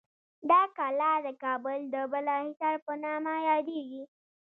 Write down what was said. دا کلا د کابل د بالاحصار په نامه یادیږي.